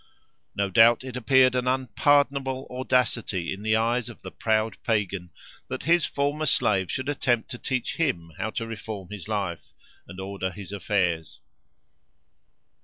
No doubt it appeared an unpardonable audacity in the eyes of the proud Pagan, that his former slave should attempt to teach him how to reform his life and order his affairs.